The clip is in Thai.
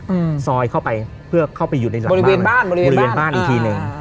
อืมซอยเข้าไปเพื่อเข้าไปอยู่ในบริเวณบ้านบริเวณบริเวณบ้านอีกทีหนึ่ง